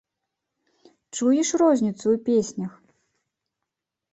Чуеш розніцу ў песнях?